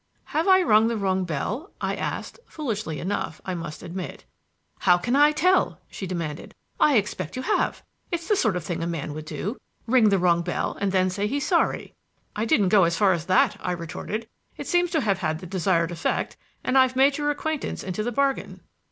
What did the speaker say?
"Have I rung the wrong bell?" I asked foolishly enough, I must admit. "How can I tell?" she demanded. "I expect you have. It's the sort of thing a man would do ring the wrong bell and then say he's sorry." "I didn't go as far as that," I retorted. "It seems to have had the desired effect, and I've made your acquaintance into the bargain."